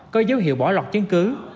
có dấu hiệu bỏ lọt chứng cứ